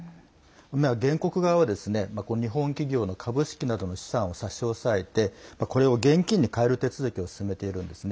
原告側は、日本企業の株式などの資産を差し押さえてこれを現金に換える手続きを進めているんですね。